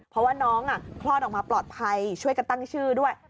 เพราะว่าน้องคลอดออกมาปลอดภัยช่วยกันตั้งชื่อด้วย